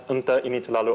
entah ini terlalu